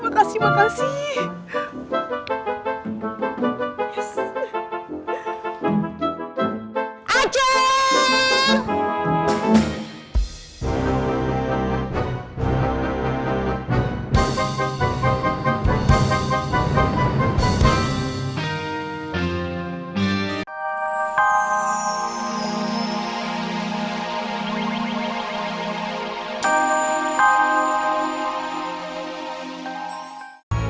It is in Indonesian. makasih makasih makasih